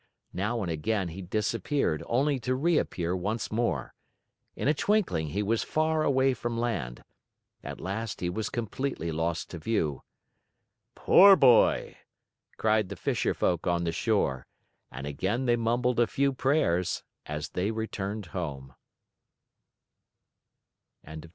Now and again he disappeared only to reappear once more. In a twinkling, he was far away from land. At last he was completely lost to view. "Poor boy!" cried the fisher folk on the shore, and again they mumbled a few prayers, as they returned home.